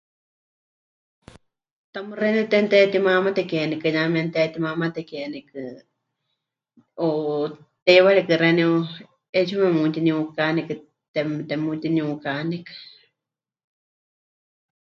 Tamɨ́ xeeníu temɨtehetimámatekenikɨ ya memɨtehetimámatekenikɨ, o teiwaritɨ́a xeeníu 'eetsiwa memutiniukanikɨ, tem... temutiniukánikɨ.